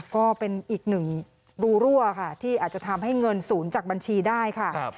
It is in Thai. ก็เป็นอีกหนึ่งรั่วที่อาจจะทำให้เงินสูญจากบัญชีได้